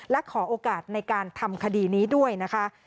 และขอโอกาสในการทำคดีนี้ด้วยนะคะ